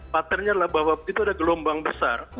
partnernya adalah bahwa itu ada gelombang besar